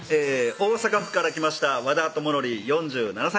大阪府から来ました和田友徳４７歳です